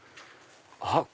あっ。